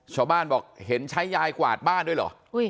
ชาวบ้านบอกเห็นใช้ยายกวาดบ้านด้วยเหรอ